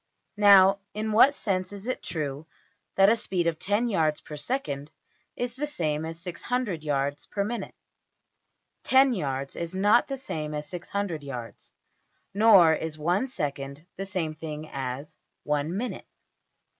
Now in what sense is it true that a speed of $10$~yards per second is the same as $600$~yards per minute? Ten yards is not the same as $600$~yards, nor is one second the same thing as one minute.